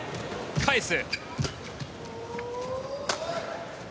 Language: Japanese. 返す。